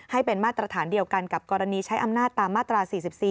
ให้เป็นมาตรฐานเดียวกันกับกรณีใช้อำนาจตามมาตรา๔๔